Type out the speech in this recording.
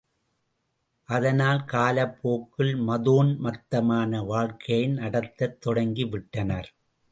அதனால், காலப்போக்கில் மதோன்மத்தமான வாழ்க்கையை நடத்தத் தொடங்கிவிட்டனர்.